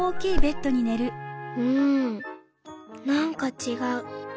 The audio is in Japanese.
「うんなんかちがう。